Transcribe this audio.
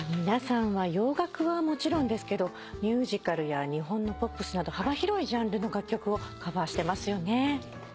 皆さんは洋楽はもちろんですけどミュージカルや日本のポップスなど幅広いジャンルの楽曲をカバーしてますよね。